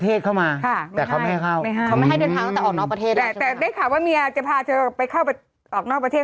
พอปไปอย่างดีสรุปเลยแล้วกัน